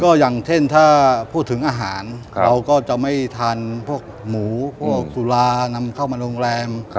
ก็อย่างเช่นถ้าพูดถึงอาหารเราก็จะไม่ทานพวกหมูพวกสุรานำเข้ามาโรงแรม